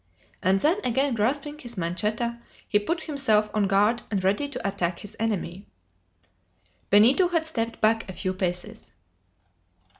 And then again grasping his manchetta, he put himself on guard and ready to attack his enemy. Benito had stepped back a few paces.